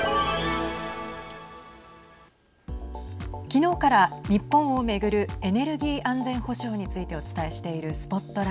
昨日から日本を巡るエネルギー安全保障についてお伝えしているＳＰＯＴＬＩＧＨＴ。